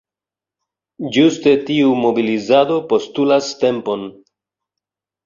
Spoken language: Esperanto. Ĝuste tiu mobilizado postulas tempon.